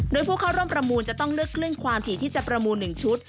โดยผู้เข้าร่วมประมูลจะต้องเลือกคลื่นความถี่ที่จะประมูล๑ชุด